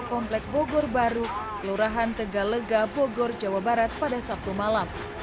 komplek bogor baru kelurahan tegalega bogor jawa barat pada sabtu malam